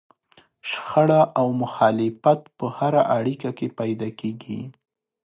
شخړه او مخالفت په هره اړيکه کې پيدا کېږي.